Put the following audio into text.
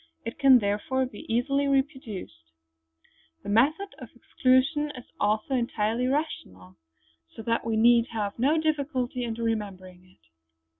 It can, therefore, be easily reproduced; the method of exclusions is also entirely rational, so that we need have no difficulty in remembering it.